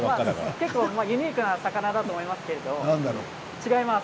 結構ユニークな魚になると思いますけれども違います。